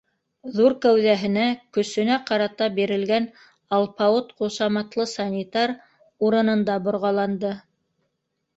Ҙур кәүҙәһенә, көсөнә ҡарата бирелгән «Алпауыт» ҡушаматлы санитар урынында борғаланды: